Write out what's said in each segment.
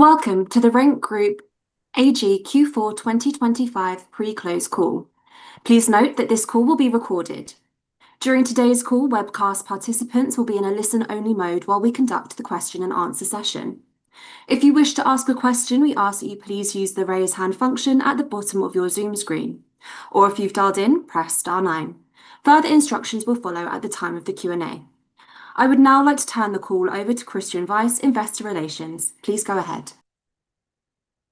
Welcome to the RENK Group AG Q4 2025 pre-close call. Please note that this call will be recorded. During today's call, webcast participants will be in a listen-only mode while we conduct the question-and-answer session. If you wish to ask a question, we ask that you please use the Raise Hand function at the bottom of your Zoom screen, or if you've dialed in, press star nine. Further instructions will follow at the time of the Q&A. I would now like to turn the call over to Christian Weiss, Investor Relations. Please go ahead.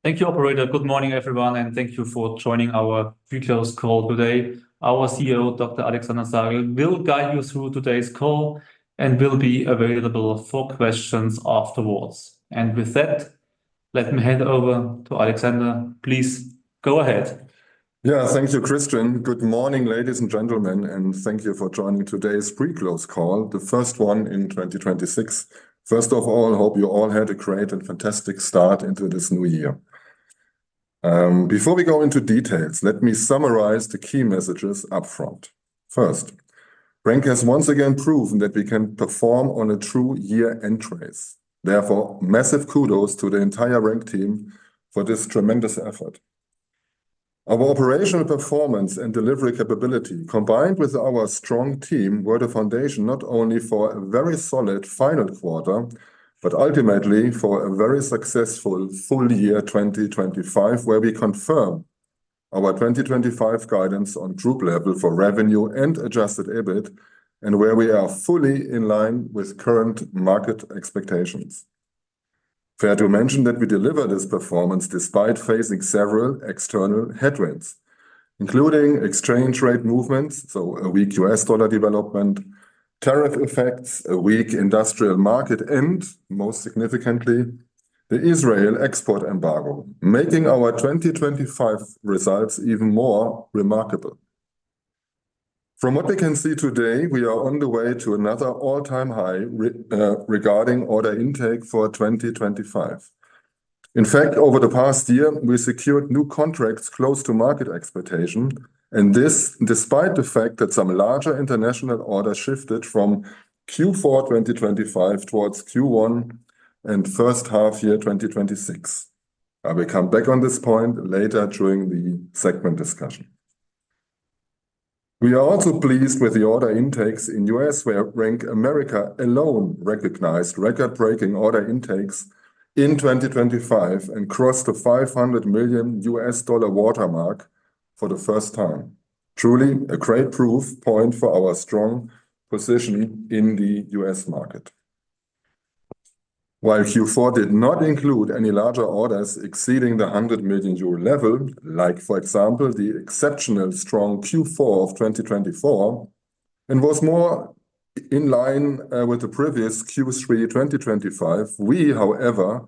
Thank you, operator. Good morning, everyone, and thank you for joining our pre-close call today. Our CEO, Dr. Alexander Sagel, will guide you through today's call and will be available for questions afterwards. With that, let me hand over to Alexander. Please go ahead. Yeah. Thank you, Christian. Good morning, ladies and gentlemen, and thank you for joining today's pre-close call, the first one in 2026. First of all, I hope you all had a great and fantastic start into this new year. Before we go into details, let me summarize the key messages up front. First, RENK has once again proven that we can perform on a true year-end race. Therefore, massive kudos to the entire RENK team for this tremendous effort. Our operational performance and delivery capability, combined with our strong team, were the foundation not only for a very solid final quarter, but ultimately for a very successful full year 2025, where we confirm our 2025 guidance on group level for revenue and adjusted EBIT, and where we are fully in line with current market expectations. Fair to mention that we deliver this performance despite facing several external headwinds, including exchange rate movements, so a weak U.S. dollar development, tariff effects, a weak industrial market, and, most significantly, the Israeli export embargo, making our 2025 results even more remarkable. From what we can see today, we are on the way to another all-time high regarding order intake for 2025. In fact, over the past year, we secured new contracts close to market expectation, and this despite the fact that some larger international orders shifted from Q4 2025 towards Q1 and first half year 2026. I will come back on this point later during the segment discussion. We are also pleased with the order intakes in the U.S., where RENK America alone recognized record-breaking order intakes in 2025 and crossed the $500 million watermark for the first time. Truly a great proof point for our strong position in the U.S. market. While Q4 did not include any larger orders exceeding the 100 million euro level, like, for example, the exceptional strong Q4 of 2024, and was more in line with the previous Q3 2025. We, however,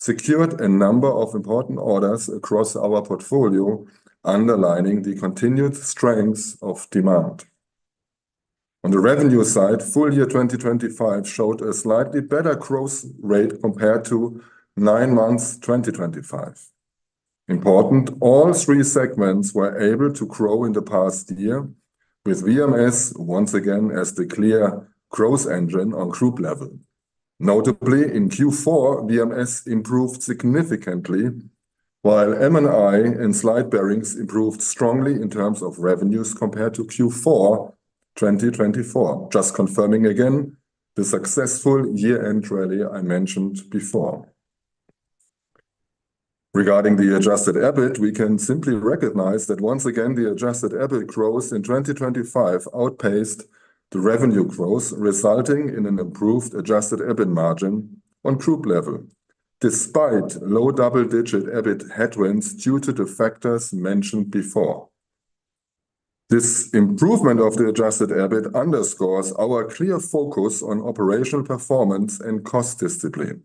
secured a number of important orders across our portfolio, underlining the continued strengths of demand. On the revenue side, full year 2025 showed a slightly better growth rate compared to nine months 2025. Important, all three segments were able to grow in the past year, with VMS once again as the clear growth engine on group level. Notably, in Q4, VMS improved significantly, while M&I and Slide Bearings improved strongly in terms of revenues compared to Q4 2024, just confirming again the successful year-end rally I mentioned before. Regarding the adjusted EBIT, we can simply recognize that once again, the adjusted EBIT growth in 2025 outpaced the revenue growth, resulting in an improved adjusted EBIT margin on group level, despite low double-digit EBIT headwinds due to the factors mentioned before. This improvement of the adjusted EBIT underscores our clear focus on operational performance and cost discipline.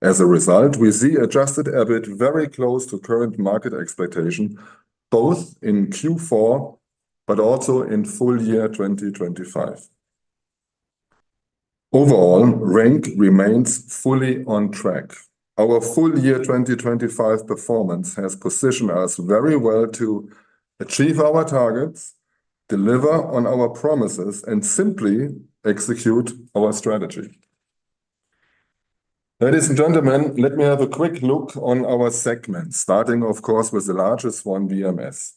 As a result, we see adjusted EBIT very close to current market expectation, both in Q4 but also in full year 2025. Overall, RENK remains fully on track. Our full year 2025 performance has positioned us very well to achieve our targets, deliver on our promises, and simply execute our strategy. Ladies and gentlemen, let me have a quick look on our segments, starting, of course, with the largest one, VMS.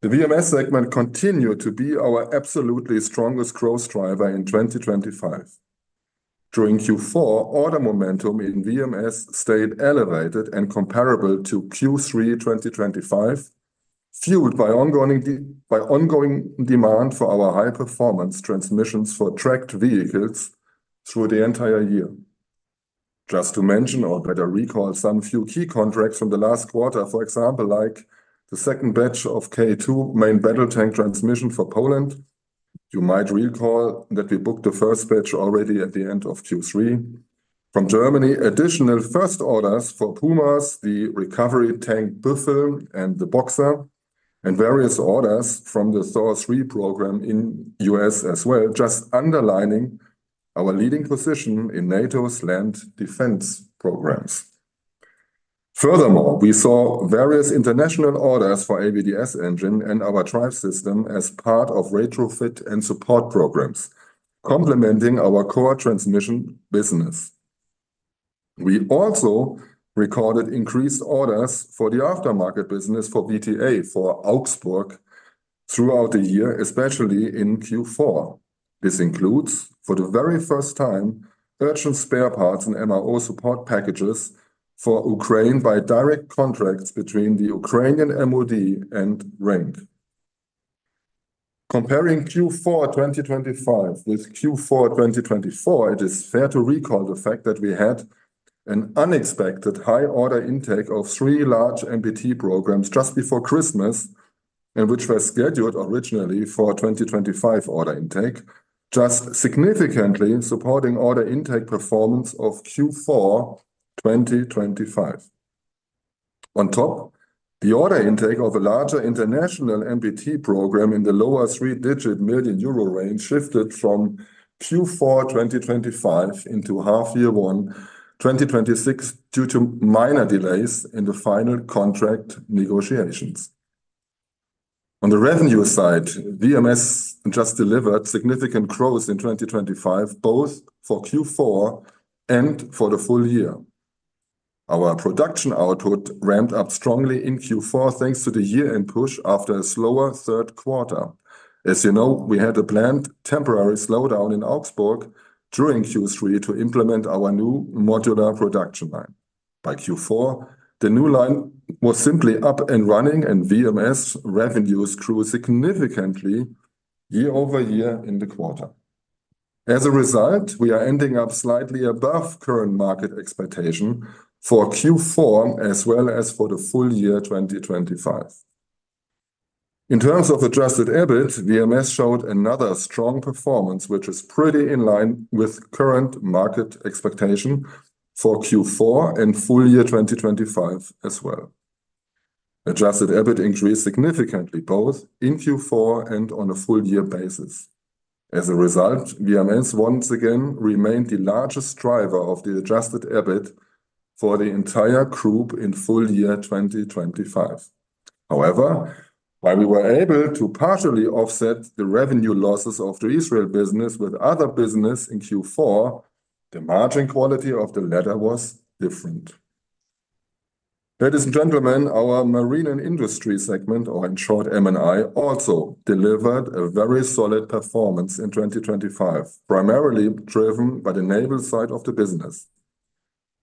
The VMS segment continued to be our absolutely strongest growth driver in 2025. During Q4, order momentum in VMS stayed elevated and comparable to Q3 2025, fueled by ongoing by ongoing demand for our high-performance transmissions for tracked vehicles through the entire year. Just to mention, or better recall, some few key contracts from the last quarter, for example, like the second batch of K2 main battle tank transmission for Poland. You might recall that we booked the first batch already at the end of Q3. From Germany, additional first orders for Pumas, the recovery tank Büffel and the Boxer, and various orders from the THOR III program in U.S. as well, just underlining our leading position in NATO's land defense programs. Furthermore, we saw various international orders for AVDS engine and our drive system as part of retrofit and support programs, complementing our core transmission business. We also recorded increased orders for the aftermarket business for VTA, for Augsburg throughout the year, especially in Q4. This includes, for the very first time, urgent spare parts and MRO support packages for Ukraine by direct contracts between the Ukrainian MOD and RENK. Comparing Q4 2025 with Q4 2024, it is fair to recall the fact that we had an unexpected high order intake of three large MBT programs just before Christmas, and which were scheduled originally for 2025 order intake, just significantly supporting order intake performance of Q4 2025. On top, the order intake of a larger international MBT program in the lower three-digit million EUR range shifted from Q4 2025 into H1 2026 due to minor delays in the final contract negotiations. On the revenue side, VMS just delivered significant growth in 2025, both for Q4 and for the full year. Our production output ramped up strongly in Q4, thanks to the year-end push after a slower third quarter. As you know, we had a planned temporary slowdown in Augsburg during Q3 to implement our new modular production line. By Q4, the new line was simply up and running, and VMS revenues grew significantly year-over-year in the quarter. As a result, we are ending up slightly above current market expectation for Q4 as well as for the full year 2025. In terms of adjusted EBIT, VMS showed another strong performance, which is pretty in line with current market expectation for Q4 and full year 2025 as well. adjusted EBIT increased significantly, both in Q4 and on a full year basis. As a result, VMS once again remained the largest driver of the adjusted EBIT for the entire group in full year 2025. However, while we were able to partially offset the revenue losses of the Israel business with other business in Q4, the margin quality of the latter was different. Ladies and gentlemen, our Marine and Industry segment, or in short, M&I, also delivered a very solid performance in 2025, primarily driven by the naval side of the business.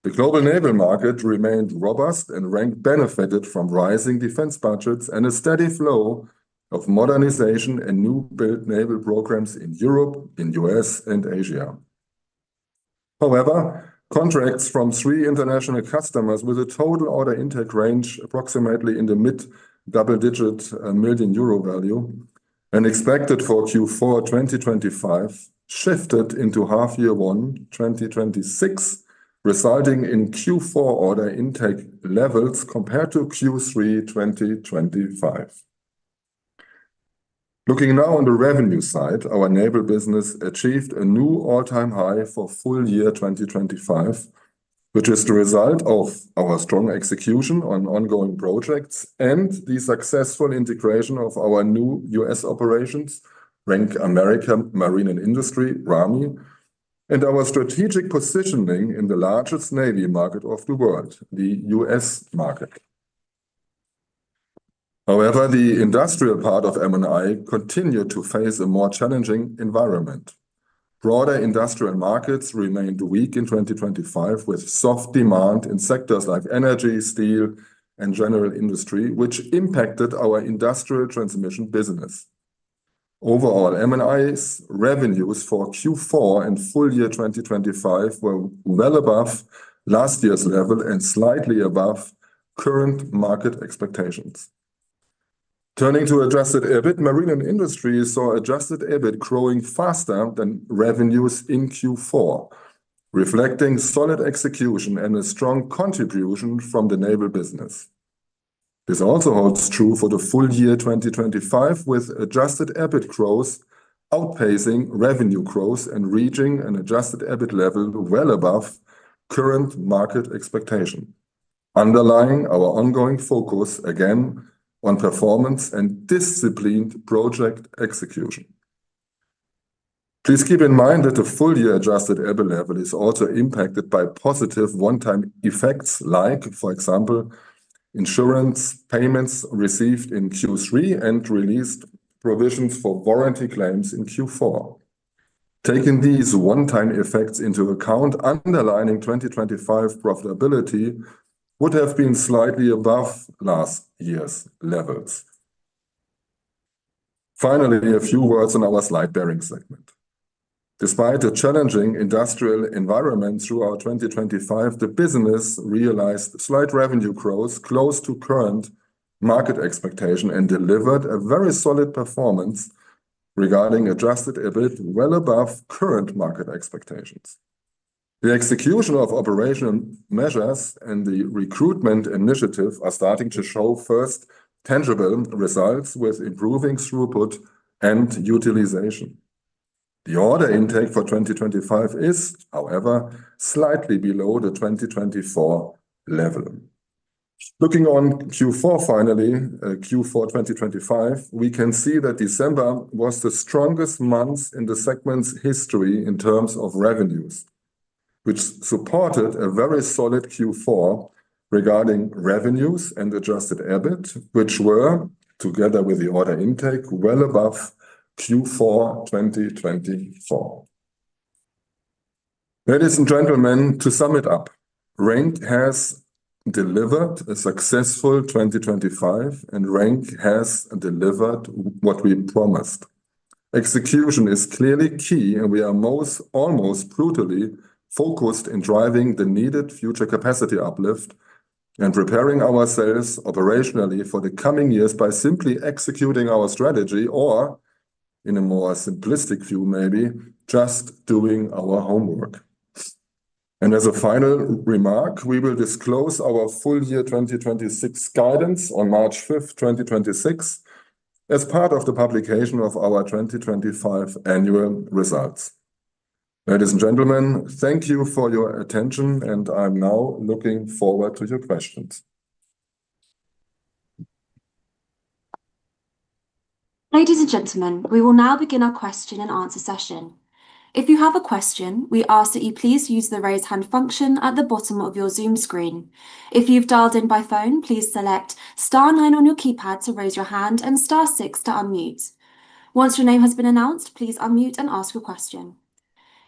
The global naval market remained robust and RENK benefited from rising defense budgets and a steady flow of modernization and new build naval programs in Europe, in the U.S., and Asia. However, contracts from three international customers with a total order intake range approximately in the mid-double-digit million EUR value and expected for Q4 2025, shifted into H1 2026, resulting in Q4 order intake levels compared to Q3 2025. Looking now on the revenue side, our naval business achieved a new all-time high for full year 2025, which is the result of our strong execution on ongoing projects and the successful integration of our new U.S. operations, RENK America Marine and Industry, RAMI, and our strategic positioning in the largest navy market of the world, the U.S. market. However, the industrial part of M&I continued to face a more challenging environment. Broader industrial markets remained weak in 2025, with soft demand in sectors like energy, steel, and general industry, which impacted our industrial transmission business. Overall, M&I's revenues for Q4 and full year 2025 were well above last year's level and slightly above current market expectations. Turning to adjusted EBIT, Marine and Industry saw adjusted EBIT growing faster than revenues in Q4, reflecting solid execution and a strong contribution from the naval business. This also holds true for the full year 2025, with adjusted EBIT growth outpacing revenue growth and reaching an adjusted EBIT level well above current market expectation, underlying our ongoing focus again on performance and disciplined project execution. Please keep in mind that the full year adjusted EBIT level is also impacted by positive one-time effects, like, for example, insurance payments received in Q3 and released provisions for warranty claims in Q4. Taking these one-time effects into account, underlying 2025 profitability would have been slightly above last year's levels. Finally, a few words on our Slide Bearings segment. Despite a challenging industrial environment throughout 2025, the business realized slight revenue growth close to current market expectation and delivered a very solid performance regarding adjusted EBIT, well above current market expectations. The execution of operation measures and the recruitment initiative are starting to show first tangible results with improving throughput and utilization. The order intake for 2025 is, however, slightly below the 2024 level. Looking on Q4, finally, Q4 2025, we can see that December was the strongest month in the segment's history in terms of revenues, which supported a very solid Q4 regarding revenues and adjusted EBIT, which were, together with the order intake, well above Q4 2024. Ladies and gentlemen, to sum it up, RENK has delivered a successful 2025, and RENK has delivered what we promised. Execution is clearly key, and we are most, almost brutally focused in driving the needed future capacity uplift and preparing ourselves operationally for the coming years by simply executing our strategy, or in a more simplistic view, maybe, just doing our homework. As a final remark, we will disclose our full year 2026 guidance on March 5th, 2026, as part of the publication of our 2025 annual results. Ladies and gentlemen, thank you for your attention, and I'm now looking forward to your questions. Ladies and gentlemen, we will now begin our question-and-answer session. If you have a question, we ask that you please use the Raise Hand function at the bottom of your Zoom screen. If you've dialed in by phone, please select star nine on your keypad to raise your hand and star six to unmute. Once your name has been announced, please unmute and ask your question.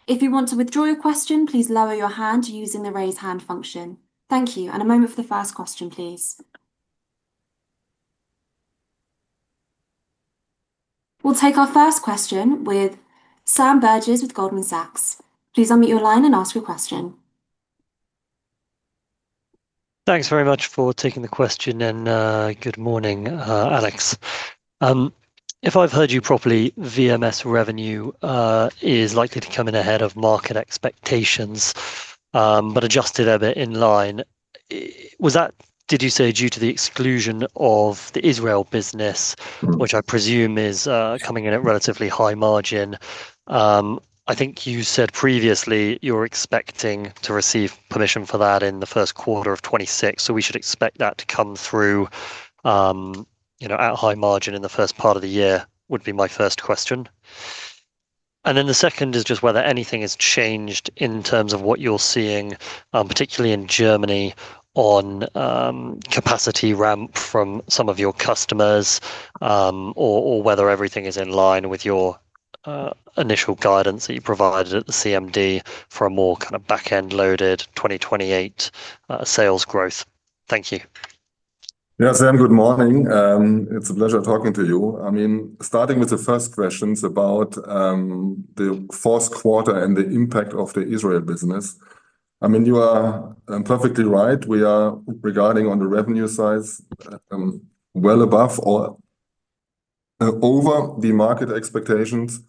If you want to withdraw your question, please lower your hand using the Raise Hand function. Thank you, and a moment for the first question, please. We'll take our first question with Sam Burgess with Goldman Sachs. Please unmute your line and ask your question. Thanks very much for taking the question, and good morning, Alex. If I've heard you properly, VMS revenue is likely to come in ahead of market expectations, but adjusted EBIT in line. Was that, did you say, due to the exclusion of the Israel business, which I presume is coming in at relatively high margin? I think you said previously, you're expecting to receive permission for that in the first quarter of 2026, so we should expect that to come through, you know, at high margin in the first part of the year, would be my first question. And then the second is just whether anything has changed in terms of what you're seeing, particularly in Germany, on capacity ramp from some of your customers, or whether everything is in line with your initial guidance that you provided at the CMD for a more kinda back-end loaded 2028 sales growth. Thank you. Yeah, Sam, good morning. It's a pleasure talking to you. I mean, starting with the first questions about the fourth quarter and the impact of the Israel business. I mean, you are perfectly right. We are regarding on the revenue side well above or over the market expectations.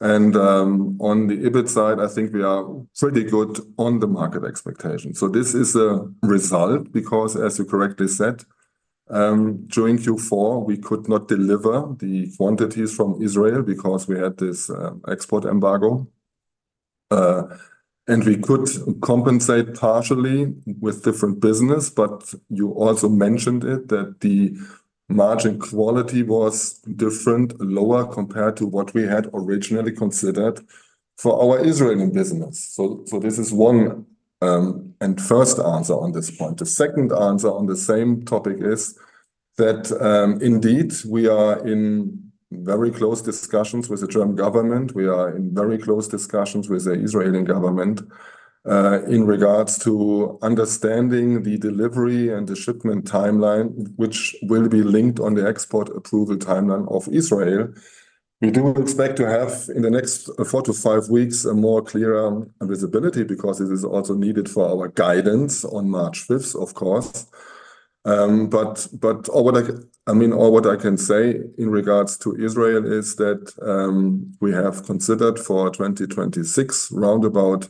And on the EBIT side, I think we are pretty good on the market expectation. So this is a result, because, as you correctly said, during Q4, we could not deliver the quantities from Israel because we had this export embargo. And we could compensate partially with different business, but you also mentioned it, that the margin quality was different, lower, compared to what we had originally considered for our Israeli business. So this is one and first answer on this point. The second answer on the same topic is that, indeed, we are in very close discussions with the German government. We are in very close discussions with the Israeli government, in regards to understanding the delivery and the shipment timeline, which will be linked on the export approval timeline of Israel. We do expect to have, in the next 4-5 weeks, a more clearer visibility, because it is also needed for our guidance on March 5th, of course. Or what I mean, or what I can say in regards to Israel is that, we have considered for 2026, round about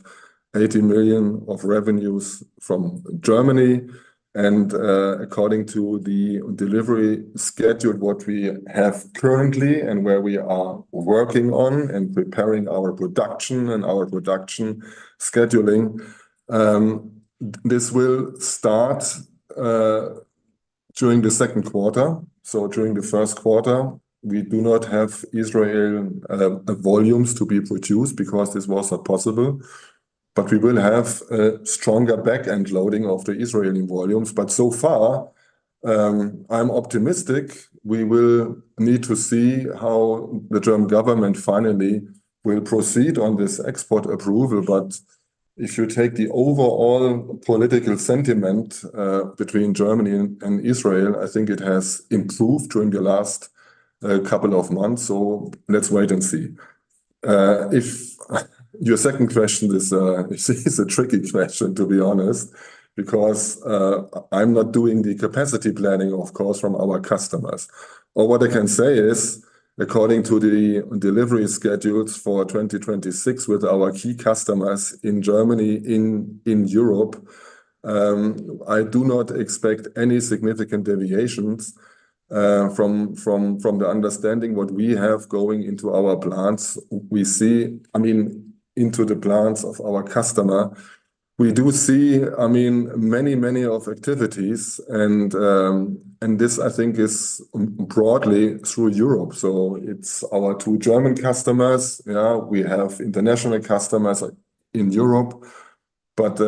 80 million of revenues from Germany. And, according to the delivery schedule, what we have currently and where we are working on and preparing our production and our production scheduling, this will start during the second quarter. During the first quarter, we do not have Israeli volumes to be produced because this was not possible. But we will have a stronger back-end loading of the Israeli volumes. But so far, I'm optimistic. We will need to see how the German government finally will proceed on this export approval. But if you take the overall political sentiment between Germany and Israel, I think it has improved during the last couple of months. So let's wait and see. Your second question is a tricky question, to be honest, because I'm not doing the capacity planning, of course, from our customers. But what I can say is, according to the delivery schedules for 2026 with our key customers in Germany, in Europe, I do not expect any significant deviations from the understanding what we have going into our plants. I mean, into the plants of our customer. We do see, I mean, many, many of activities, and, and this I think is broadly through Europe. So it's our two German customers. Yeah, we have international customers, like, in Europe, but,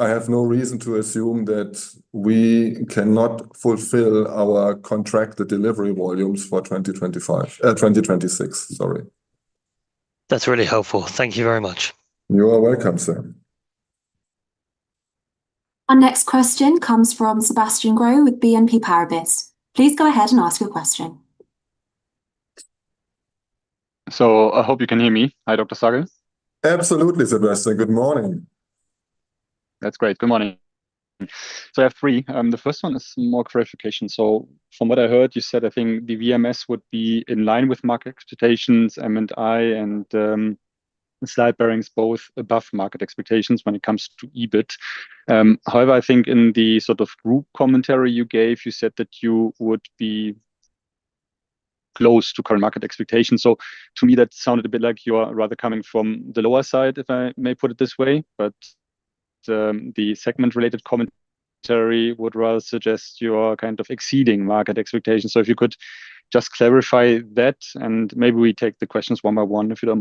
I have no reason to assume that we cannot fulfill our contracted delivery volumes for 2026. That's really helpful. Thank you very much. You're welcome, Sam. Our next question comes from Sebastian Growe with BNP Paribas. Please go ahead and ask your question. I hope you can hear me. Hi, Dr. Sagel. Absolutely, Sebastian. Good morning. That's great. Good morning. So, I have three. The first one is more clarification. So from what I heard, you said, I think the VMS would be in line with market expectations, M&I, and slide bearings both above market expectations when it comes to EBIT. However, I think in the sort of group commentary you gave, you said that you would be close to current market expectations. So to me, that sounded a bit like you are rather coming from the lower side, if I may put it this way. But the segment-related commentary would rather suggest you are kind of exceeding market expectations. So if you could just clarify that, and maybe we take the questions one by one, if you don't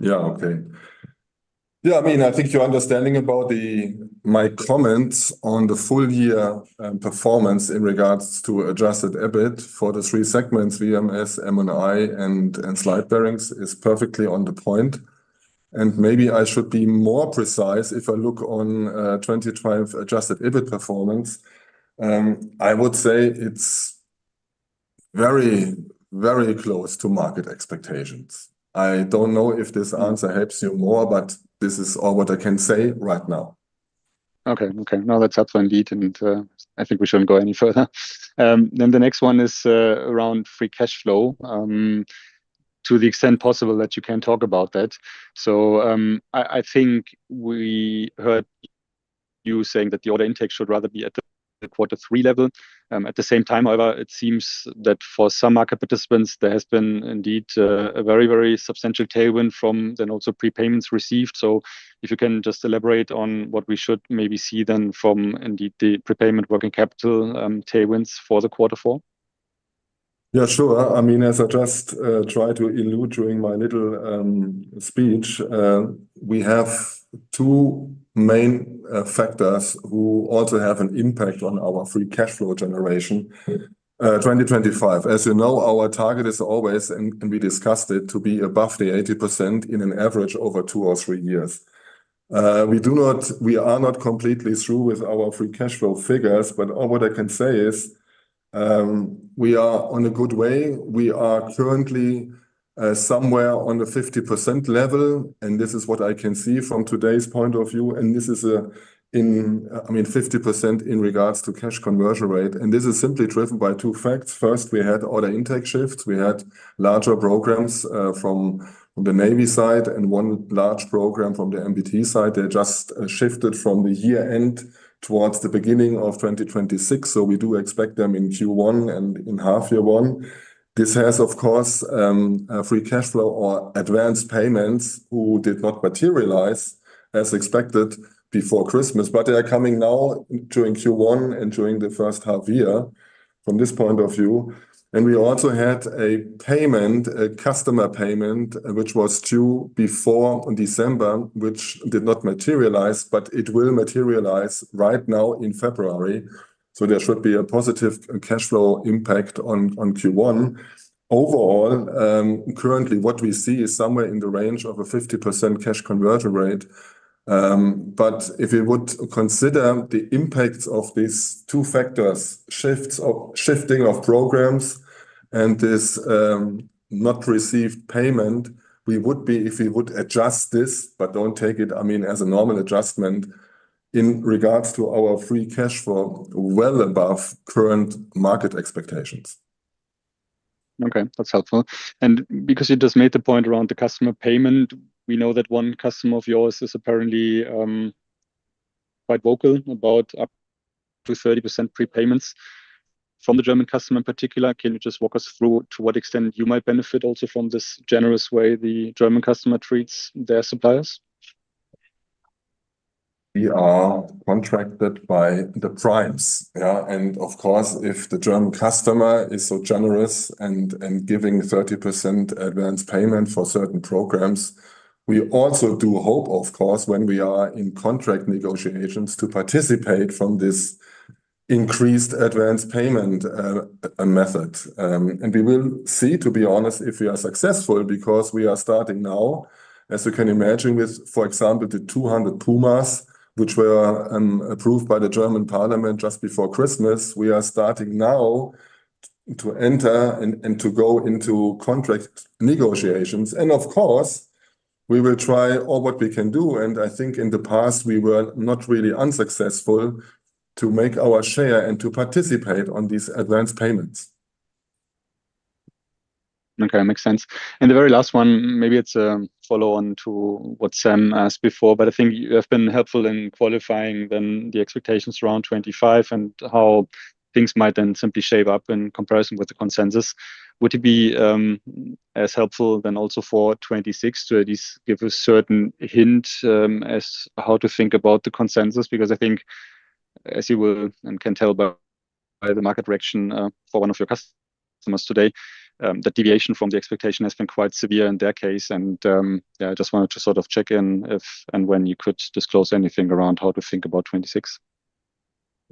mind. Yeah, okay. Yeah, I mean, I think your understanding about my comments on the full year performance in regards to adjusted EBIT for the three segments, VMS, M&I, and slide bearings, is perfectly on the point. Maybe I should be more precise. If I look on 2025 adjusted EBIT performance, I would say it's very, very close to market expectations. I don't know if this answer helps you more, but this is all what I can say right now. Okay. No, that's helpful indeed, and I think we shouldn't go any further. Then the next one is around free cash flow, to the extent possible that you can talk about that. So, I think we heard you saying that the order intake should rather be at the Q3 level. At the same time, however, it seems that for some market participants, there has been indeed a very, very substantial tailwind from then also prepayments received. So if you can just elaborate on what we should maybe see then from indeed the prepayment working capital tailwinds for Q4? Yeah, sure. I mean, as I just tried to allude during my little speech, we have two main factors who also have an impact on our free cash flow generation, 2025. As you know, our target is always, and we discussed it, to be above the 80% in an average over two or three years. We do not-- we are not completely through with our free cash flow figures, but all what I can say is, we are on a good way. We are currently somewhere on the 50% level, and this is what I can see from today's point of view, and this is, I mean, 50% in regards to cash conversion rate. And this is simply driven by two facts. First, we had order intake shifts. We had larger programs, from the Navy side and one large program from the MBT side. They just shifted from the year-end towards the beginning of 2026, so we do expect them in Q1 and in half year one. This has, of course, a free cash flow or advanced payments who did not materialize as expected before Christmas, but they are coming now during Q1 and during the first half year, from this point of view. And we also had a payment, a customer payment, which was due before December, which did not materialize, but it will materialize right now in February. So there should be a positive cash flow impact on Q1. Overall, currently, what we see is somewhere in the range of a 50% cash conversion rate. But if we would consider the impacts of these two factors, shifting of programs and this not received payment, we would be, if we would adjust this, but don't take it, I mean, as a normal adjustment, in regards to our free cash flow, well above current market expectations. Okay, that's helpful. And because you just made the point around the customer payment, we know that one customer of yours is apparently quite vocal about up to 30% prepayments from the German customer in particular. Can you just walk us through to what extent you might benefit also from this generous way the German customer treats their suppliers? We are contracted by the primes. Yeah, and of course, if the German customer is so generous and, and giving 30% advanced payment for certain programs, we also do hope, of course, when we are in contract negotiations, to participate from this increased advanced payment method. And we will see, to be honest, if we are successful, because we are starting now, as you can imagine, with, for example, the 200 Pumas, which were approved by the German parliament just before Christmas. We are starting now to enter and, and to go into contract negotiations. And of course, we will try all what we can do, and I think in the past, we were not really unsuccessful to make our share and to participate on these advanced payments. Okay, makes sense. And the very last one, maybe it's a follow-on to what Sam asked before, but I think you have been helpful in qualifying then the expectations around 2025 and how things might then simply shape up in comparison with the consensus. Would it be as helpful then also for 2026 to at least give a certain hint as how to think about the consensus? Because I think as you will and can tell by the market reaction for one of your customers today. The deviation from the expectation has been quite severe in their case, and yeah, I just wanted to sort of check in if and when you could disclose anything around how to think about 2026.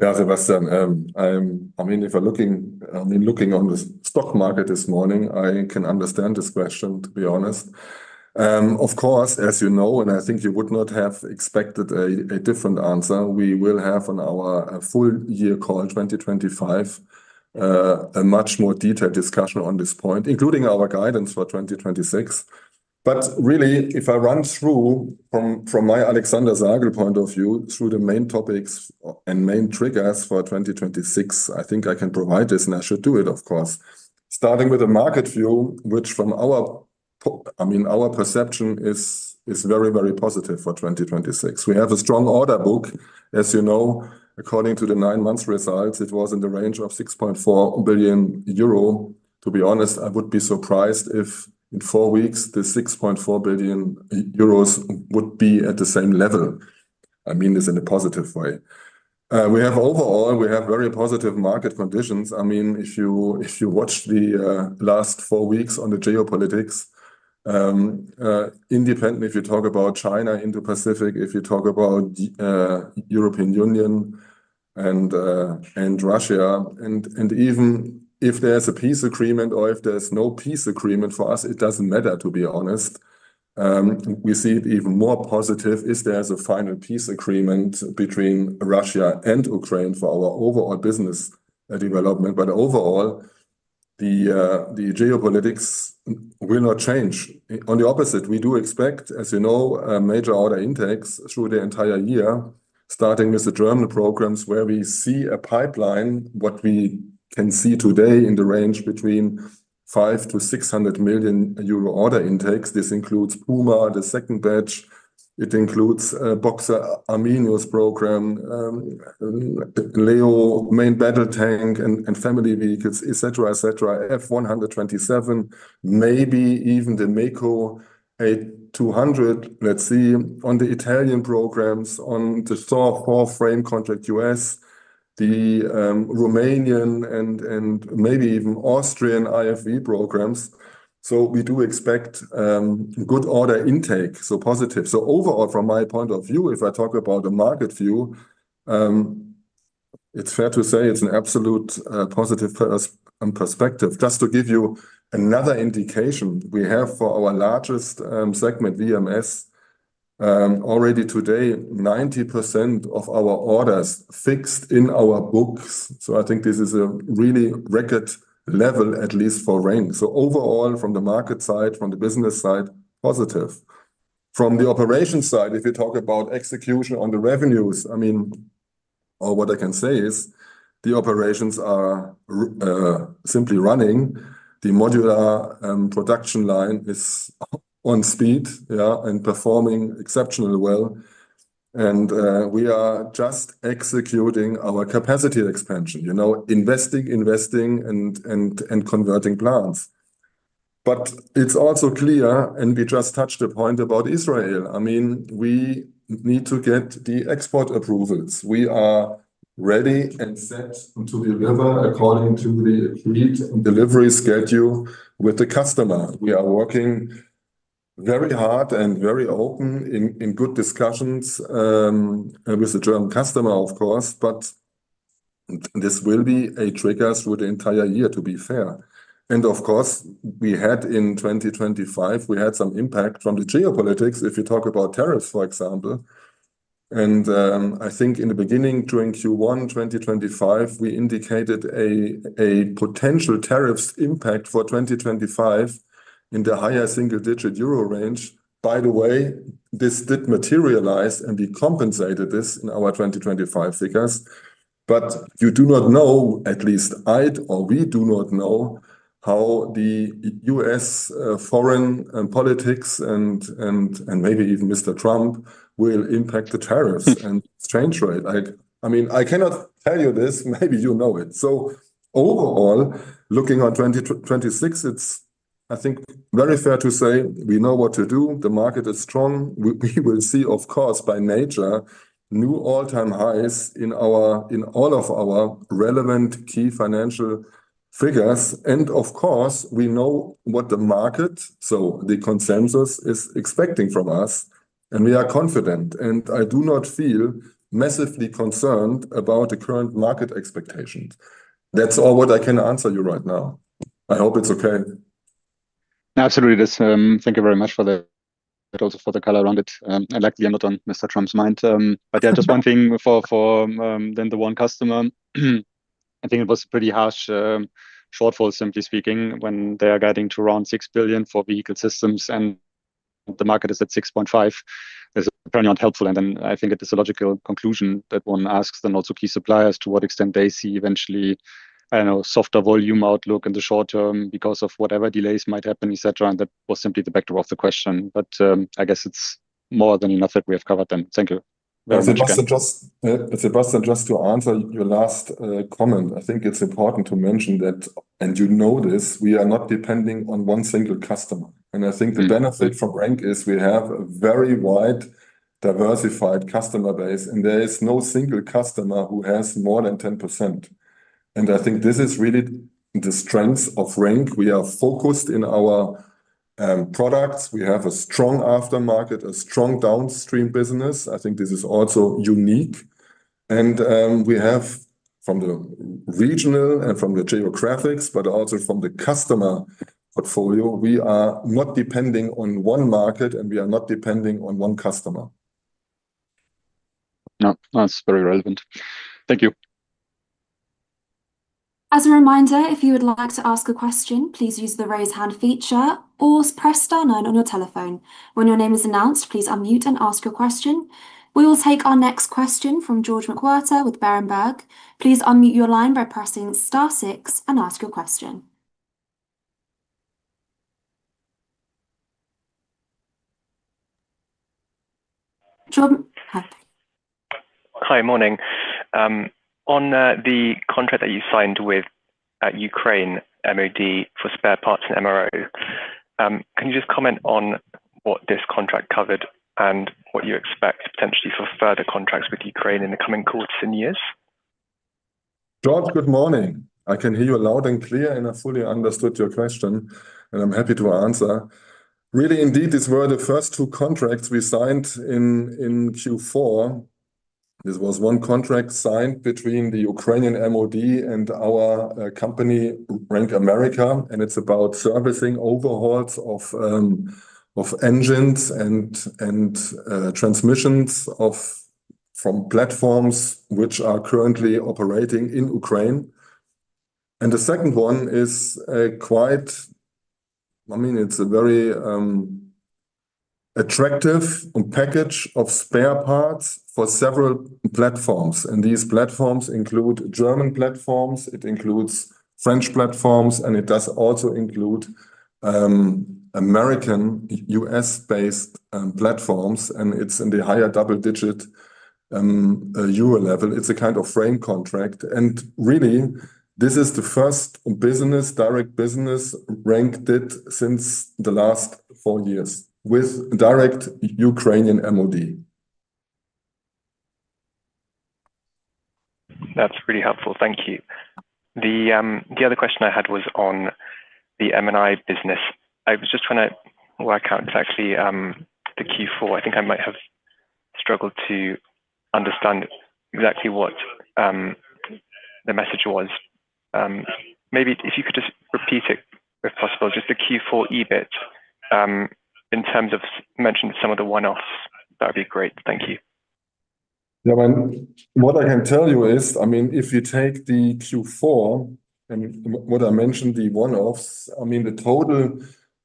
Yeah, Sebastian, I mean, if we're looking, I mean, looking on the stock market this morning, I can understand this question, to be honest. Of course, as you know, and I think you would not have expected a different answer, we will have on our full year call in 2025 a much more detailed discussion on this point, including our guidance for 2026. But really, if I run through from my Alexander Sagel point of view, through the main topics and main triggers for 2026, I think I can provide this, and I should do it, of course. Starting with the market view, which from our I mean, our perception is very, very positive for 2026. We have a strong order book. As you know, according to the nine-month results, it was in the range of 6.4 billion euro. To be honest, I would be surprised if in four weeks, the 6.4 billion euros would be at the same level. I mean this in a positive way. We have overall, we have very positive market conditions. I mean, if you, if you watch the last four weeks on the geopolitics, independently, if you talk about China, Indo-Pacific, if you talk about European Union and and Russia, and even if there's a peace agreement or if there's no peace agreement, for us, it doesn't matter, to be honest. We see it even more positive if there's a final peace agreement between Russia and Ukraine for our overall business and development. But overall, the geopolitics will not change. On the opposite, we do expect, as you know, a major order intakes through the entire year, starting with the German programs, where we see a pipeline, what we can see today in the range between 500 million-600 million euro order intakes. This includes Puma, the second batch. It includes Boxer Omnibus program, the Leopard main battle tank and family vehicles, etc, etc. F127, maybe even the MEKO A-200. Let's see, on the Italian programs, on the South Korea frame contract U.S., the Romanian and maybe even Austrian IFV programs. So we do expect good order intake, so positive. So overall, from my point of view, if I talk about the market view, it's fair to say it's an absolute positive perspective. Just to give you another indication, we have for our largest segment, VMS, already today, 90% of our orders fixed in our books. So I think this is a really record level, at least for RENK. So overall, from the market side, from the business side, positive. From the operation side, if you talk about execution on the revenues, I mean, all what I can say is the operations are simply running. The modular production line is on speed, yeah, and performing exceptionally well. And we are just executing our capacity expansion, you know, investing, investing, and converting plans. But it's also clear, and we just touched the point about Israel. I mean, we need to get the export approvals. We are ready and set to deliver according to the agreed delivery schedule with the customer. We are working very hard and very open in good discussions with the German customer, of course, but this will be a trigger through the entire year, to be fair. And of course, we had in 2025, we had some impact from the geopolitics, if you talk about tariffs, for example. And I think in the beginning, during Q1 2025, we indicated a potential tariffs impact for 2025 in the higher single-digit EUR range. By the way, this did materialize, and we compensated this in our 2025 figures. But you do not know, at least I or we do not know, how the U.S. foreign politics and maybe even Mr. Trump will impact the tariffs and exchange rate. I mean, I cannot tell you this. Maybe you know it. So overall, looking on 2026, it's, I think, very fair to say we know what to do. The market is strong. We will see, of course, by nature, new all-time highs in our—in all of our relevant key financial figures. And of course, we know what the market, so the consensus, is expecting from us, and we are confident, and I do not feel massively concerned about the current market expectations. That's all what I can answer you right now. I hope it's okay. Absolutely, it is. Thank you very much for that, but also for the color around it. I like the end on Mr. Trump's mind. But yeah, just one thing for then the one customer. I think it was a pretty harsh shortfall, simply speaking, when they are getting to around 6 billion for vehicle systems and the market is at 6.5 billion. That's apparently not helpful, and then I think it is a logical conclusion that one asks then also key suppliers to what extent they see eventually, I don't know, softer volume outlook in the short term because of whatever delays might happen, etc, and that was simply the backdrop of the question. But I guess it's more than enough that we have covered then. Thank you. Yeah, Sebastian, just to answer your last comment, I think it's important to mention that, and you know this, we are not depending on one single customer. I think the benefit for RENK is we have a very wide, diversified customer base, and there is no single customer who has more than 10%. I think this is really the strength of RENK. We are focused in our products. We have a strong aftermarket, a strong downstream business. I think this is also unique. We have from the regional and from the geographics, but also from the customer portfolio, we are not depending on one market, and we are not depending on one customer. No, that's very relevant. Thank you. As a reminder, if you would like to ask a question, please use the Raise Hand feature or press star nine on your telephone. When your name is announced, please unmute and ask your question. We will take our next question from George McWhirter with Berenberg. Please unmute your line by pressing star six and ask your question. George? Hi, morning. On the contract that you signed with Ukraine MoD for spare parts and MRO, can you just comment on what this contract covered and what you expect potentially for further contracts with Ukraine in the coming quarters and years? George, good morning. I can hear you loud and clear, and I fully understood your question, and I'm happy to answer. Really, indeed, these were the first two contracts we signed in Q4. This was one contract signed between the Ukrainian MoD and our company, RENK America, and it's about servicing overhauls of engines and transmissions from platforms which are currently operating in Ukraine. And the second one is, I mean, it's a very attractive package of spare parts for several platforms, and these platforms include German platforms, it includes French platforms, and it does also include American, U.S.-based platforms, and it's in the higher double-digit EUR level. It's a kind of frame contract, and really, this is the first business, direct business RENK did since the last four years with direct Ukrainian MoD. That's really helpful. Thank you. The other question I had was on the M&I business. I was just trying to work out exactly, the Q4. I think I might have struggled to understand exactly what, the message was. Maybe if you could just repeat it, if possible, just the Q4 EBIT, in terms of mentioning some of the one-offs, that'd be great. Thank you. Yeah, well, what I can tell you is, I mean, if you take the Q4 and what I mentioned, the one-offs, I mean, the total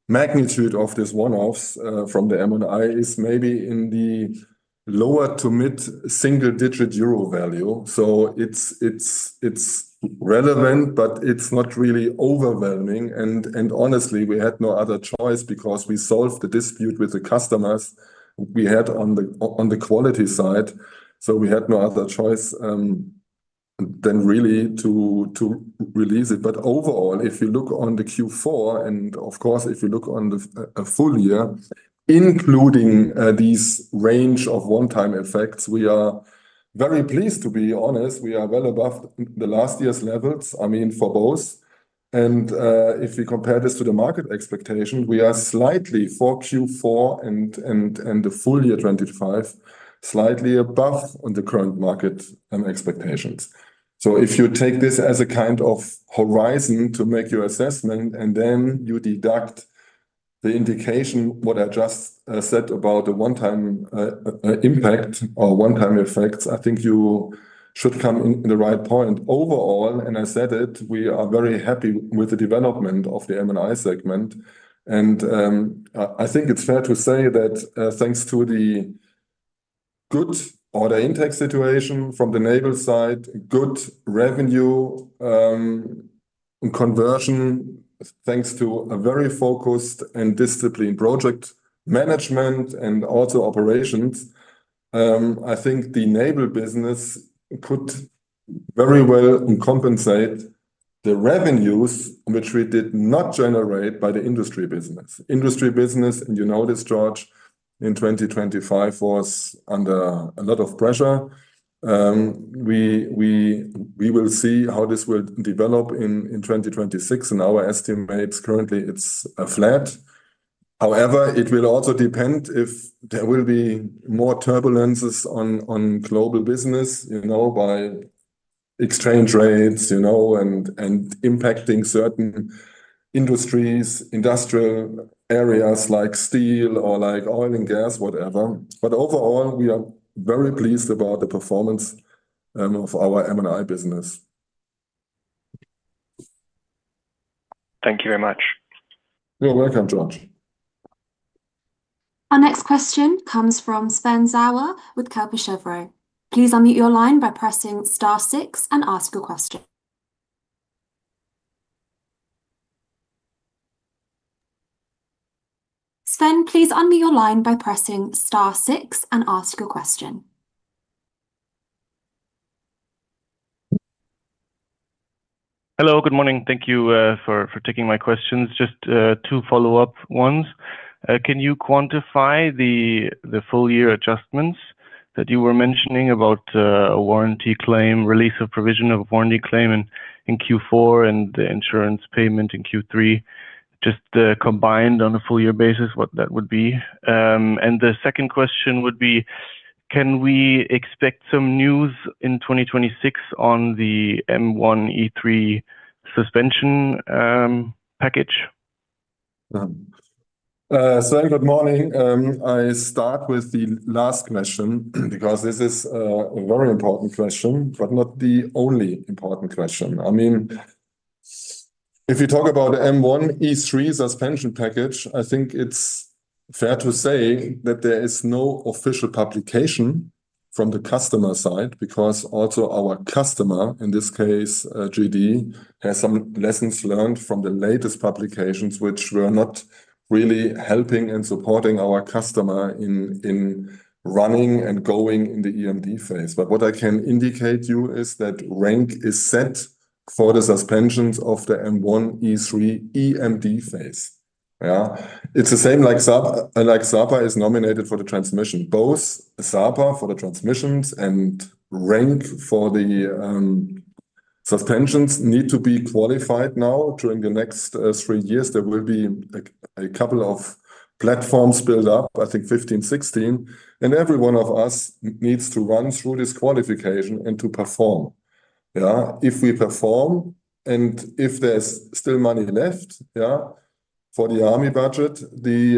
magnitude of this one-offs from the M&I is maybe in the lower- to mid-single-digit EUR value. So it's relevant, but it's not really overwhelming. And honestly, we had no other choice because we solved the dispute with the customers we had on the quality side, so we had no other choice than really to release it. But overall, if you look on the Q4, and of course, if you look on the full year, including these range of one-time effects, we are very pleased, to be honest. We are well above last year's levels, I mean, for both. If we compare this to the market expectation, we are slightly for Q4 and the full year 2025, slightly above on the current market expectations. So if you take this as a kind of horizon to make your assessment, and then you deduct the indication, what I just said about the one-time impact or one-time effects, I think you should come in, in the right point. Overall, and I said it, we are very happy with the development of the M&I segment. I think it's fair to say that, thanks to the good order intake situation from the naval side, good revenue conversion, thanks to a very focused and disciplined project management and also operations, I think the naval business could very well compensate the revenues which we did not generate by the industry business. Industry business, and you know this, George, in 2025, was under a lot of pressure. We will see how this will develop in 2026, and our estimate is currently it's flat. However, it will also depend if there will be more turbulences on global business, you know, by exchange rates, you know, and impacting certain industries, industrial areas like steel or like oil and gas, whatever. But overall, we are very pleased about the performance of our M&I business. Thank you very much. You're welcome, George. Our next question comes from Sven Sauer with Kepler Cheuvreux. Please unmute your line by pressing star six and ask your question. Sven, please unmute your line by pressing star six and ask your question. Hello, good morning. Thank you for taking my questions. Just two follow-up ones. Can you quantify the full year adjustments that you were mentioning about a warranty claim, release of provision of a warranty claim in Q4, and the insurance payment in Q3? Just combined on a full year basis, what that would be. And the second question would be: can we expect some news in 2026 on the M1E3 suspension package? So good morning. I start with the last question, because this is a very important question, but not the only important question. I mean, if you talk about M1E3 suspension package, I think it's fair to say that there is no official publication from the customer side. Because also our customer, in this case, GD, has some lessons learned from the latest publications, which were not really helping and supporting our customer in running and going in the EMD phase. But what I can indicate you is that RENK is set for the suspensions of the M1E3 EMD phase. Yeah. It's the same like SAPA—like SAPA is nominated for the transmission. Both SAPA for the transmissions and RENK for the suspensions need to be qualified now. During the next three years, there will be, like, a couple of platforms build up, I think 15, 16, and every one of us needs to run through this qualification and to perform. Yeah. If we perform and if there's still money left, yeah, for the army budget, the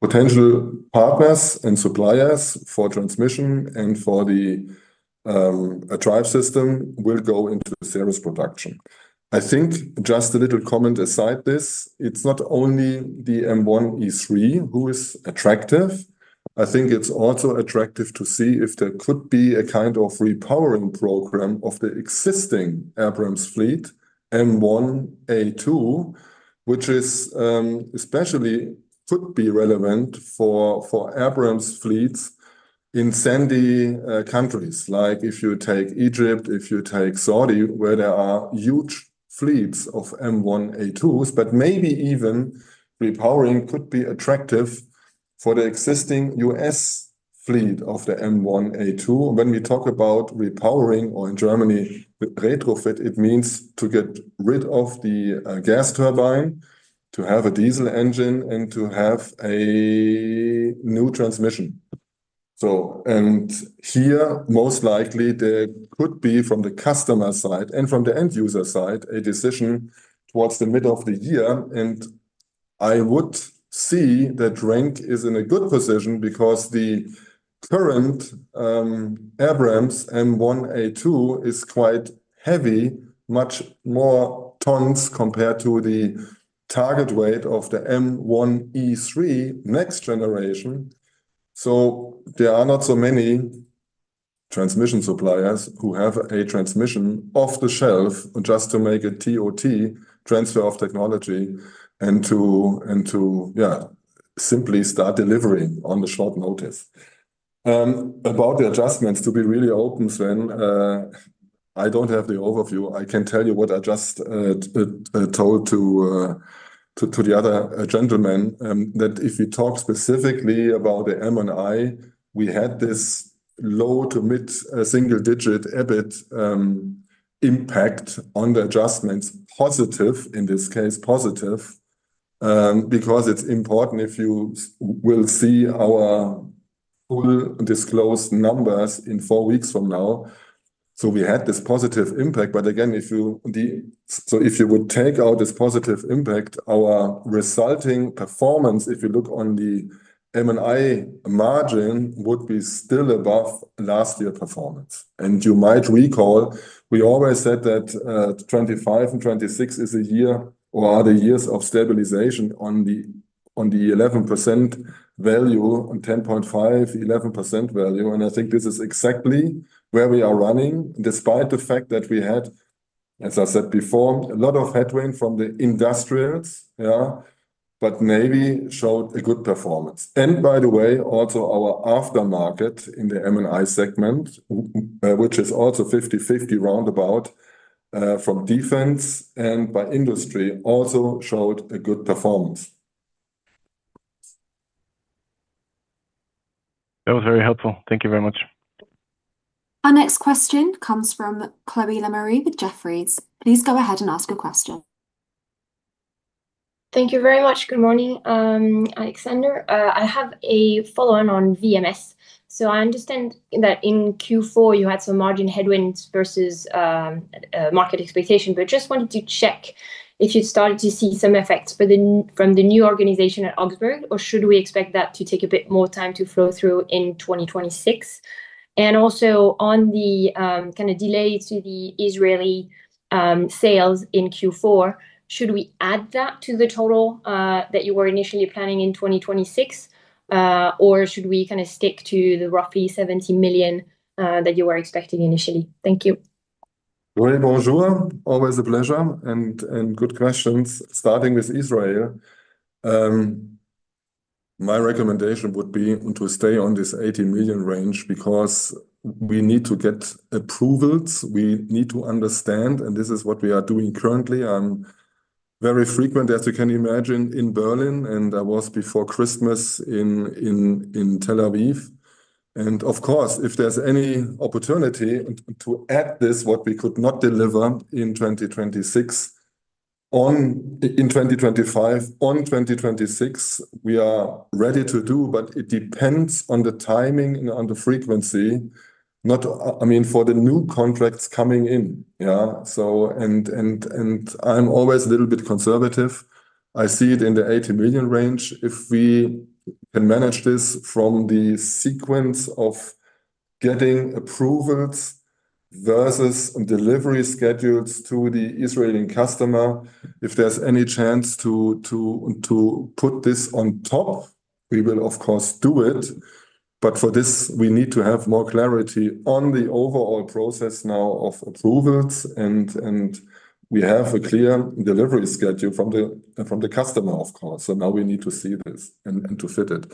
potential partners and suppliers for transmission and for the drive system will go into the serial production. I think just a little comment aside this, it's not only the M1E3 who is attractive. I think it's also attractive to see if there could be a kind of repowering program of the existing Abrams fleet, M1A2, which is especially could be relevant for Abrams fleets in sandy countries. Like if you take Egypt, if you take Saudi, where there are huge fleets of M1A2s, but maybe even repowering could be attractive for the existing U.S. fleet of the M1A2. When we talk about repowering, or in Germany, the retrofit, it means to get rid of the, gas turbine, to have a diesel engine, and to have a new transmission. So, and here, most likely, there could be, from the customer side and from the end user side, a decision towards the middle of the year. And I would see that RENK is in a good position because the current, Abrams M1A2 is quite heavy, much more tons compared to the target weight of the M1E3 next generation. So there are not so many transmission suppliers who have a transmission off the shelf just to make a TOT, transfer of technology, and to, yeah, simply start delivering on the short notice. About the adjustments, to be really open, Sven, I don't have the overview. I can tell you what I just told to, to the other gentleman, that if you talk specifically about the M&I, we had this low to mid single digit EBIT impact on the adjustments. Positive, in this case, positive, because it's important if you will see our full disclosed numbers in four weeks from now. So we had this positive impact, but again, if you would take out this positive impact, our resulting performance, if you look on the M&I margin, would be still above last year performance. And you might recall, we always said that 2025 and 2026 is a year or are the years of stabilization on the 11% value, on 10.5%-11% value, and I think this is exactly where we are running, despite the fact that we had, as I said before, a lot of headwind from the industrials. Yeah. But M&I showed a good performance. And by the way, also our aftermarket in the M&I segment, which is also 50/50 roundabout, from defense and by industry, also showed a good performance. That was very helpful. Thank you very much. Our next question comes from Chloé Lemarié with Jefferies. Please go ahead and ask your question. Thank you very much. Good morning, Alexander. I have a follow-on on VMS. So I understand that in Q4, you had some margin headwinds versus market expectation, but just wanted to check if you started to see some effects from the new organization at Augsburg, or should we expect that to take a bit more time to flow through in 2026? And also on the kind of delay to the Israeli sales in Q4, should we add that to the total that you were initially planning in 2026? Or should we kind of stick to the roughly 70 million that you were expecting initially? Thank you. Well, bonjour. Always a pleasure, and good questions. Starting with Israel, my recommendation would be to stay on this 18 million range, because we need to get approvals. We need to understand, and this is what we are doing currently. I'm very frequent, as you can imagine, in Berlin, and I was before Christmas in Tel Aviv. And of course, if there's any opportunity to add this, what we could not deliver in 2026, in 2025, on 2026, we are ready to do, but it depends on the timing and on the frequency. Not, I mean, for the new contracts coming in, yeah? So, I'm always a little bit conservative. I see it in the 80 million range. If we can manage this from the sequence of getting approvals versus delivery schedules to the Israeli customer, if there's any chance to put this on top, we will of course do it. But for this, we need to have more clarity on the overall process now of approvals, and we have a clear delivery schedule from the customer, of course. So now we need to see this and to fit it.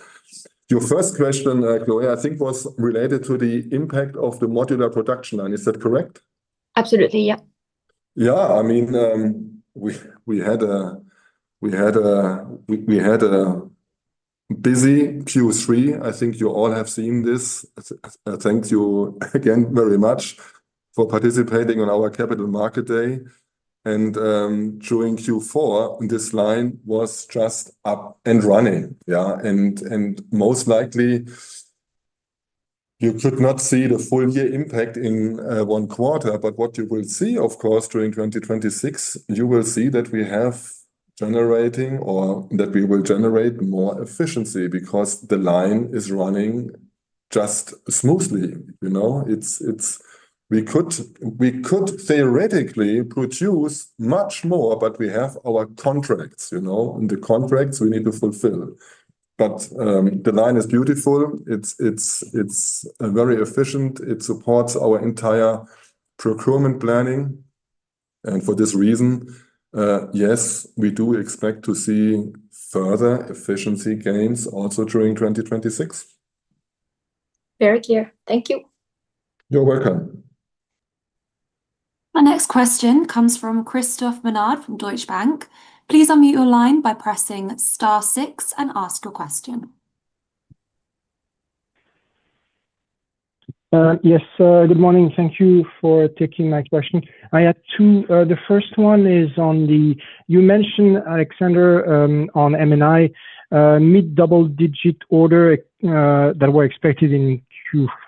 Your first question, Gloria, I think was related to the impact of the modular production line. Is that correct? Absolutely, yeah. Yeah. I mean, we had a busy Q3. I think you all have seen this. Thank you again very much for participating on our Capital Markets Day. During Q4, this line was just up and running. Yeah, and most likely you could not see the full year impact in one quarter, but what you will see, of course, during 2026, you will see that we have generating or that we will generate more efficiency because the line is running just smoothly. You know, it's – we could theoretically produce much more, but we have our contracts, you know, and the contracts we need to fulfill. But the line is beautiful. It's very efficient. It supports our entire procurement planning. For this reason, yes, we do expect to see further efficiency gains also during 2026. Very clear. Thank you. You're welcome. Our next question comes from Christophe Menard, from Deutsche Bank. Please unmute your line by pressing star six and ask your question. Yes, sir. Good morning. Thank you for taking my question. I had two. The first one is on the-- You mentioned, Alexander, on M&I, mid double digit order that were expected in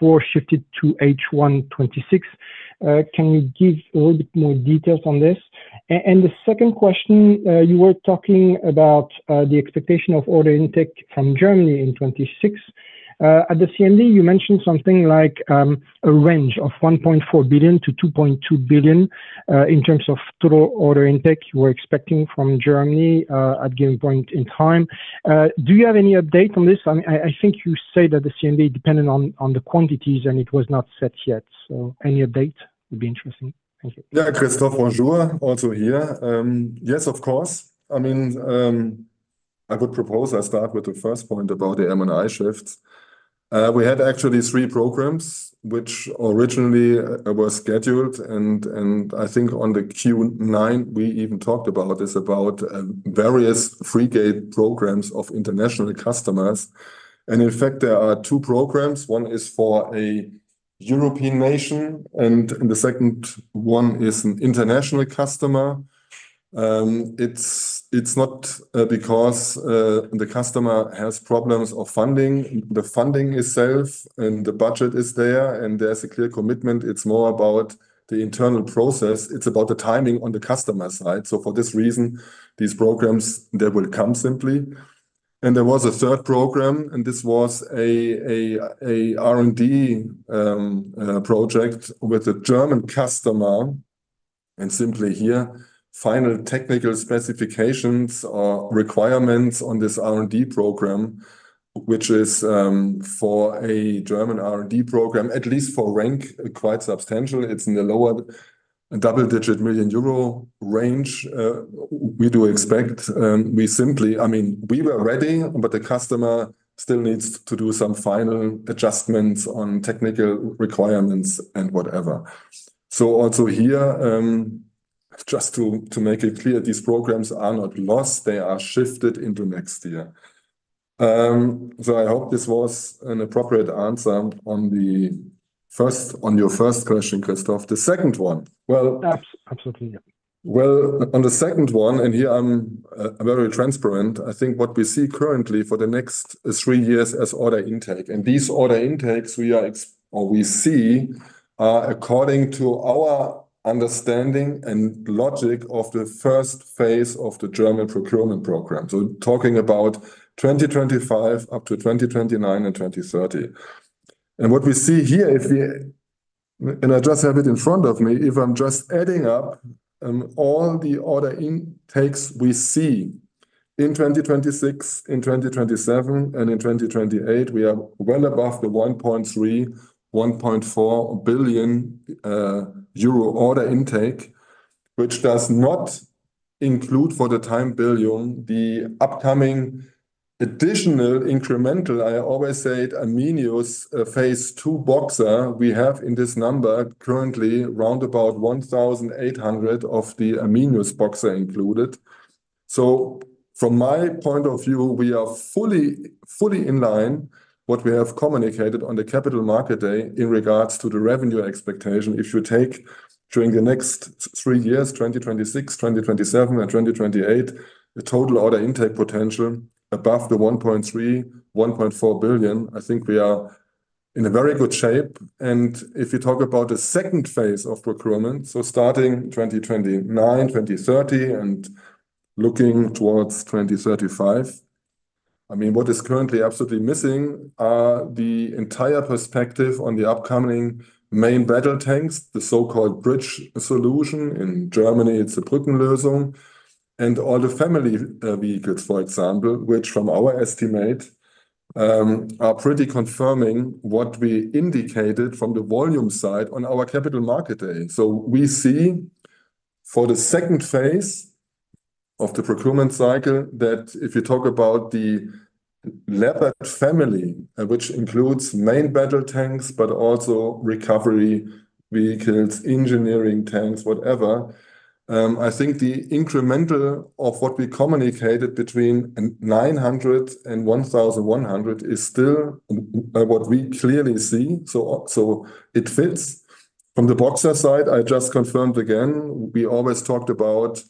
Q4 shifted to H1 2026. Can you give a little bit more details on this? And the second question, you were talking about the expectation of order intake from Germany in 2026. At the CMD, you mentioned something like a range of 1.4 billion-2.2 billion in terms of total order intake you were expecting from Germany at given point in time. Do you have any update on this? I mean, I think you said that the CMD dependent on the quantities, and it was not set yet. So any update would be interesting. Thank you. Yeah, Christophe, bonjour, also here. Yes, of course. I mean, I would propose I start with the first point about the M&I shifts. We had actually three programs, which originally were scheduled, and I think on the Q9, we even talked about this, about various frigate programs of international customers. And in fact, there are two programs. One is for a European nation, and the second one is an international customer. It's not because the customer has problems of funding. The funding is safe, and the budget is there, and there's a clear commitment. It's more about the internal process. It's about the timing on the customer side. So for this reason, these programs, they will come simply. And there was a third program, and this was a R&D project with a German customer, and simply here, final technical specifications or requirements on this R&D program, which is for a German R&D program, at least for RENK, quite substantial. It's in the lower double-digit million euro range. We do expect. We simply—I mean, we were ready, but the customer still needs to do some final adjustments on technical requirements and whatever. So also here, just to make it clear, these programs are not lost. They are shifted into next year. So I hope this was an appropriate answer on the first—on your first question, Christophe. The second one, well- Absolutely, yeah. Well, on the second one, and here I'm very transparent, I think what we see currently for the next three years as order intake, and these order intakes we are or we see are according to our understanding and logic of the first phase of the German procurement program. So we're talking about 2025 up to 2029 and 2030. What we see here, if we, I just have it in front of me. If I'm just adding up all the order intakes we see in 2026, in 2027, and in 2028, we are well above the 1.3 billion-1.4 billion euro order intake, which does not include, for the time being, the upcoming additional incremental. I always say it, Omnibus phase two Boxer. We have in this number currently around 1,800 of the Omnibus Boxer included. So from my point of view, we are fully, fully in line what we have communicated on the Capital Markets Day in regards to the revenue expectation. If you take during the next three years, 2026, 2027, and 2028, the total order intake potential above 1.3 billion-1.4 billion, I think we are in a very good shape. And if you talk about the second phase of procurement, so starting 2029, 2030, and looking towards 2035, I mean, what is currently absolutely missing are the entire perspective on the upcoming main battle tanks, the so-called bridge solution. In Germany, it's a Brückenlösung, and all the family vehicles, for example, which from our estimate are pretty confirming what we indicated from the volume side on our Capital Markets Day. So we see for the second phase of the procurement cycle, that if you talk about the Leopard family, which includes main battle tanks, but also recovery vehicles, engineering tanks, whatever, I think the incremental of what we communicated between 900-1,100 is still what we clearly see. So it fits. From the Boxer side, I just confirmed again, we always talked about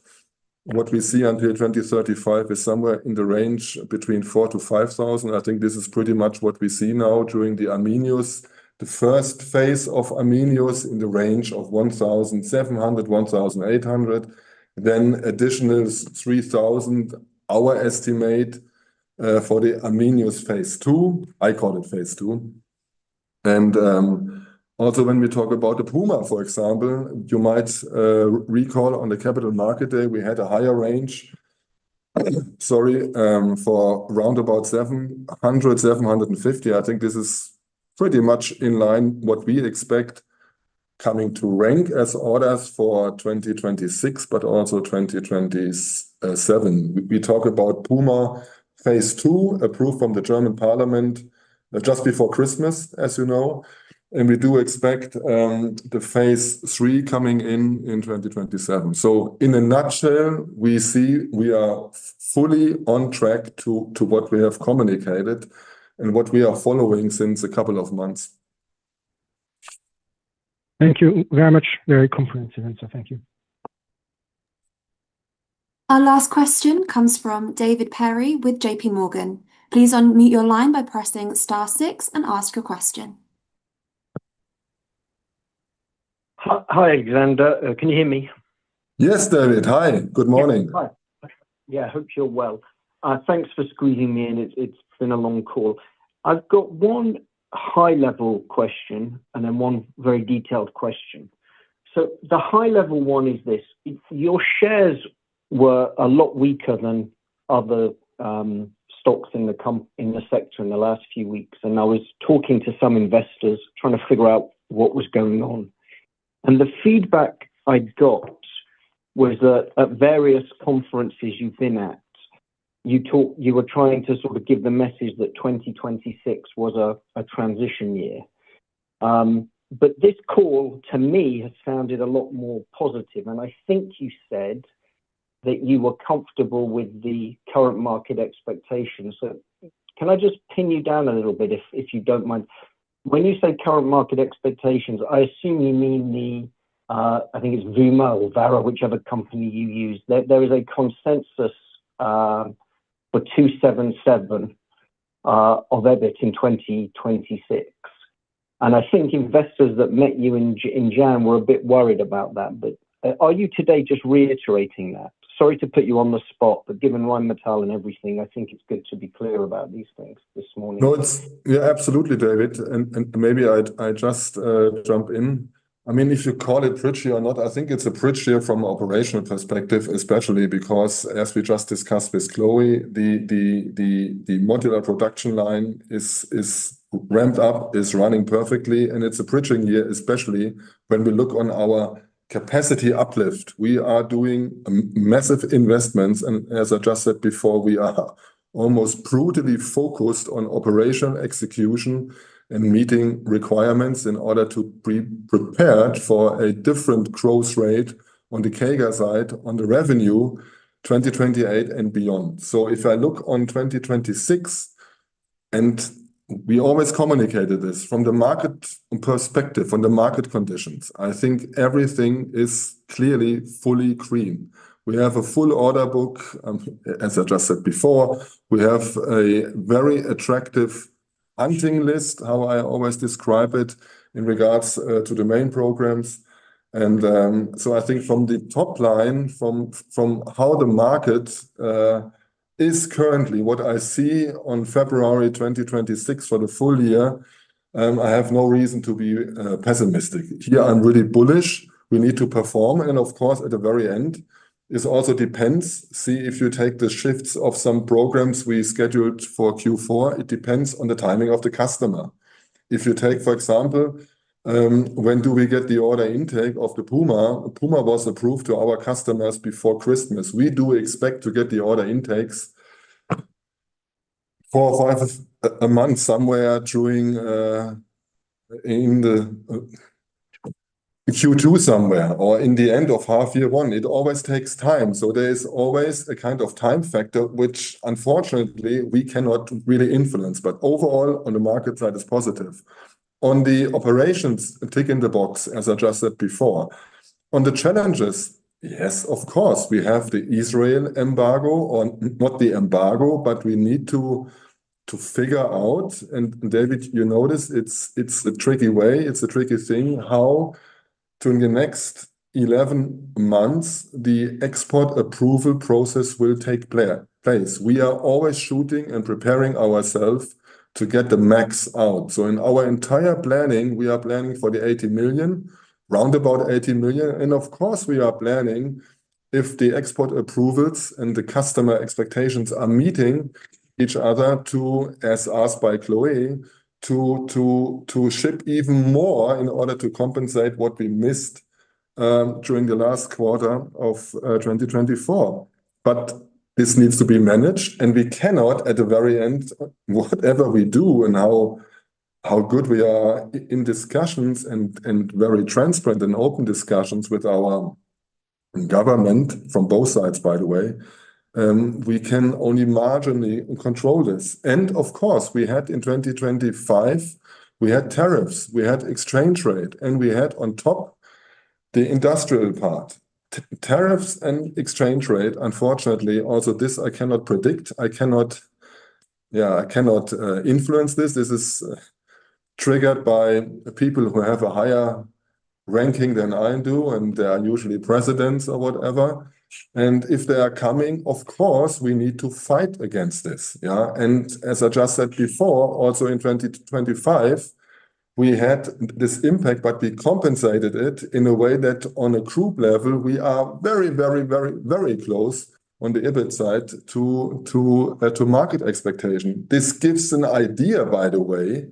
what we see until 2035 is somewhere in the range between 4,000-5,000. I think this is pretty much what we see now during the Omnibus. The first phase of Omnibus in the range of 1,700-1,800, then additional 3,000, our estimate, for the Omnibus phase two, I call it phase two. And also when we talk about the Puma, for example, you might recall on the Capital Markets Day, we had a higher range, sorry, for round about 700-750. I think this is pretty much in line what we expect coming to RENK as orders for 2026, but also 2027. We talk about Puma phase two, approved from the German Parliament just before Christmas, as you know, and we do expect the phase three coming in in 2027. In a nutshell, we see we are fully on track to what we have communicated and what we are following since a couple of months. Thank you very much. Very comprehensive answer. Thank you. Our last question comes from David Perry with JPMorgan. Please unmute your line by pressing star six and ask your question. Hi, Alexander. Can you hear me? Yes, David. Hi, good morning. Hi. Yeah, I hope you're well. Thanks for squeezing me in. It's been a long call. I've got one high-level question and then one very detailed question. So the high-level one is this: Your shares were a lot weaker than other stocks in the sector in the last few weeks, and I was talking to some investors trying to figure out what was going on. And the feedback I got was that at various conferences you've been at, you talked you were trying to sort of give the message that 2026 was a transition year. But this call to me has sounded a lot more positive, and I think you said that you were comfortable with the current market expectations. So can I just pin you down a little bit, if you don't mind? When you say current market expectations, I assume you mean the, I think it's Vuma or Vara, whichever company you use. There, there is a consensus for 277 million of EBIT in 2026, and I think investors that met you in January were a bit worried about that, but are you today just reiterating that? Sorry to put you on the spot, but given Rheinmetall and everything, I think it's good to be clear about these things this morning. Yeah, absolutely, David, and maybe I'd just jump in. I mean, if you call it bridge year or not, I think it's a bridge year from an operational perspective, especially because as we just discussed with Chloe, the modular production line is ramped up, is running perfectly, and it's a bridging year, especially when we look on our capacity uplift. We are doing massive investments, and as I just said before, we are almost brutally focused on operational execution and meeting requirements in order to be prepared for a different growth rate on the gears side, on the revenue 2028 and beyond. So if I look on 2026, and we always communicated this from the market perspective, from the market conditions, I think everything is clearly fully green. We have a full order book, as I just said before, we have a very attractive hunting list, how I always describe it, in regards to the main programs. So I think from the top line, from how the market is currently, what I see on February 2026 for the full year, I have no reason to be pessimistic. Here, I'm really bullish. We need to perform, and of course, at the very end, it also depends. See, if you take the shifts of some programs we scheduled for Q4, it depends on the timing of the customer. If you take, for example, when do we get the order intake of the Puma? Puma was approved to our customers before Christmas. We do expect to get the order intakes. 4 or 5 a month somewhere during, in the, Q2 somewhere, or in the end of half year one. It always takes time, so there's always a kind of time factor, which unfortunately, we cannot really influence. But overall, on the market side, it's positive. On the operations, tick in the box, as I just said before. On the challenges, yes, of course, we have the Israel embargo on, not the embargo, but we need to figure out, and David, you know this, it's, it's a tricky way, it's a tricky thing, how during the next 11 months, the export approval process will take place. We are always shooting and preparing ourselves to get the max out. So in our entire planning, we are planning for the 80 million, roundabout 80 million, and of course, we are planning, if the export approvals and the customer expectations are meeting each other, to, as asked by Chloe, to ship even more in order to compensate what we missed during the last quarter of 2024. But this needs to be managed, and we cannot, at the very end, whatever we do and how good we are in discussions and very transparent and open discussions with our government, from both sides, by the way, we can only marginally control this. And of course, we had, in 2025, we had tariffs, we had exchange rate, and we had on top, the industrial part. Tariffs and exchange rate, unfortunately, also this I cannot predict. I cannot, yeah, I cannot influence this. This is triggered by people who have a higher ranking than I do, and they are usually presidents or whatever. And if they are coming, of course, we need to fight against this, yeah? And as I just said before, also in 2025, we had this impact, but we compensated it in a way that on a group level, we are very, very, very, very close on the EBIT side to market expectation. This gives an idea, by the way,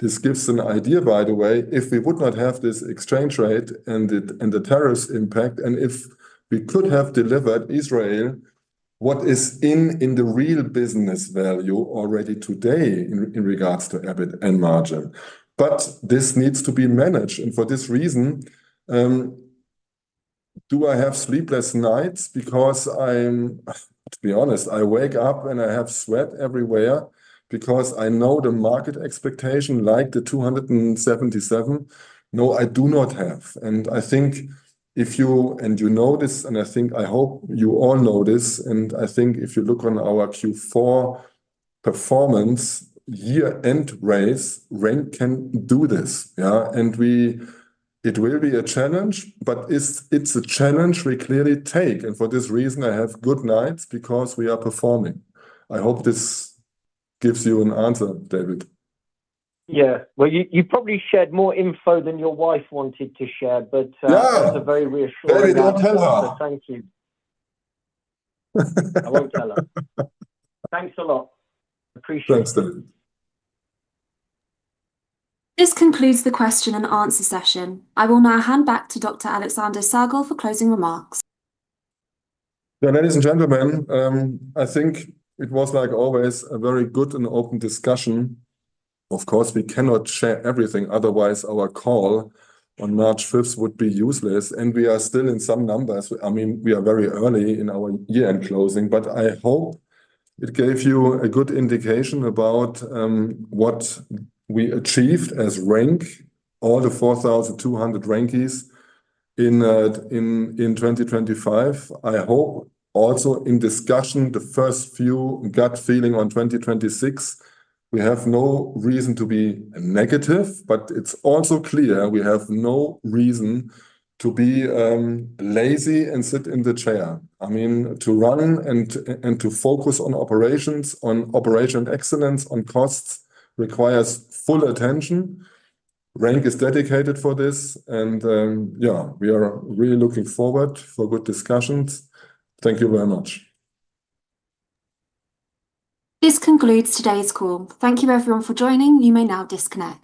this gives an idea, by the way, if we would not have this exchange rate and the, and the tariffs impact, and if we could have delivered Israel, what is in the real business value already today in regards to EBIT and margin. But this needs to be managed, and for this reason, do I have sleepless nights? Because I'm... To be honest, I wake up and I have sweat everywhere because I know the market expectation, like 277. No, I do not have. And I think if you, and you know this, and I think, I hope you all know this, and I think if you look on our Q4 performance, year-end race, RENK can do this, yeah? And it will be a challenge, but it's a challenge we clearly take, and for this reason, I have good nights because we are performing. I hope this gives you an answer, David. Yeah. Well, you, you probably shared more info than your wife wanted to share, but, Yeah! That's a very reassuring answer. Better not tell her. Thank you. I won't tell her. Thanks a lot. Appreciate it. Thanks, David. This concludes the question-and-answer session. I will now hand back to Dr. Alexander Sagel for closing remarks. Yeah, ladies and gentlemen, I think it was, like always, a very good and open discussion. Of course, we cannot share everything, otherwise, our call on March 5th would be useless, and we are still in some numbers. I mean, we are very early in our year-end closing, but I hope it gave you a good indication about what we achieved as RENK, all the 4,200 RENKies in 2025. I hope also in discussion, the first few gut feeling on 2026, we have no reason to be negative, but it's also clear we have no reason to be lazy and sit in the chair. I mean, to run and to focus on operations, on operation excellence, on costs, requires full attention. RENK is dedicated for this, and yeah, we are really looking forward for good discussions. Thank you very much. This concludes today's call. Thank you everyone for joining. You may now disconnect.